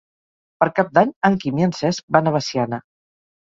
Per Cap d'Any en Quim i en Cesc van a Veciana.